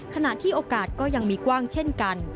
ขณะที่โอกาสก็ยังมีกว้างเช่นกัน